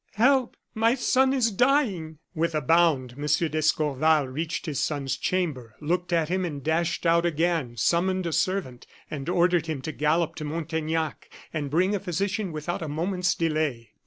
help! My son is dying!" With a bound M. d'Escorval reached his son's chamber, looked at him and dashed out again, summoned a servant, and ordered him to gallop to Montaignac and bring a physician without a moment's delay.